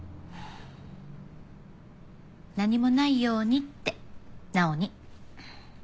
何もないようにって直央に。